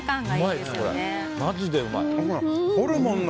マジでうまい。